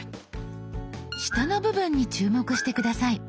下の部分に注目して下さい。